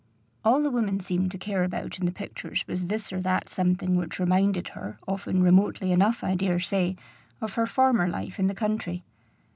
All the woman seemed to care about in the pictures was this or that something which reminded her, often remotely enough I dare say, of her former life in the country.